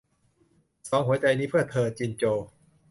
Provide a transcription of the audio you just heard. สองหัวใจนี้เพื่อเธอ - จินโจว